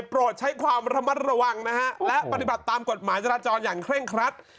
โปรดใช้ความระมัดระวังนะฮะและปฏิบัติตามกฎหมายจราจรอย่างเคร่งครัด